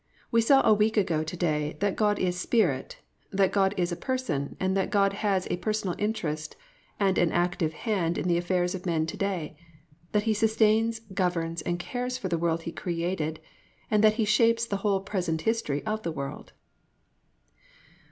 We saw a week ago to day that God is Spirit, that God is a person and that God has a personal interest and an active hand in the affairs of men to day, that He sustains, governs and cares for the world He has created and that He shapes the whole present history of the world.